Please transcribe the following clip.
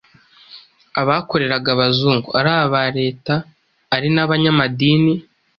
abakoreraga Abazungu ari aba Leta ari n'abanyamadini